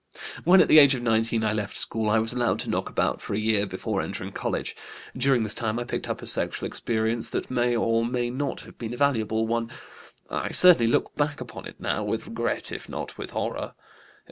"When at the age of 19 I left school I was allowed to knock about for a year before entering college. During this time I picked up a sexual experience that may or may not have been a valuable one, I certainly look back upon it now, with regret, if not with horror.